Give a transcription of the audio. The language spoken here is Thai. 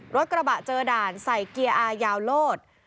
รถกระบะเจอด่านใส่เกียร์อายาวโลด